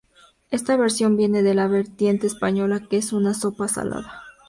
Esta versión viene de la vertiente española que es una sopa salada.